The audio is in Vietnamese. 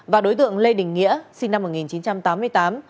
và đối tượng lê đình nghĩa sinh năm một nghìn chín trăm tám mươi tám